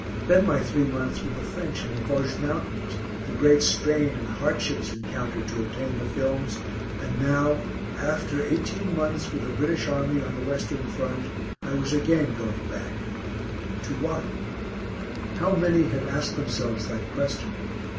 Then my three months with the French in the Vosges mountains, the great strain and hardships encountered to obtain the films, and now, after eighteen months with the British army on the Western Front, I was again going back to what? How many had asked themselves that question!